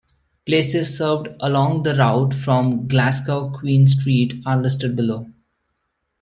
Places served along the route from Glasgow Queen Street are listed below.